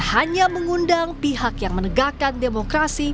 hanya mengundang pihak yang menegakkan demokrasi